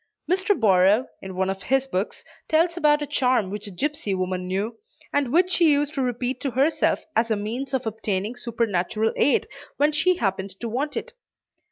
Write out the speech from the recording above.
Mr. Borrow, in one of his books, tells about a charm which a gipsy woman knew, and which she used to repeat to herself as a means of obtaining supernatural aid when she happened to want it.